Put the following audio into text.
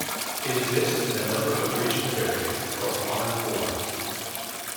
It exists in a number of regional variants, plus modern forms.